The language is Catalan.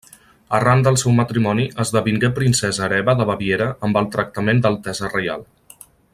Arran del seu matrimoni esdevingué princesa hereva de Baviera amb el tractament d'altesa reial.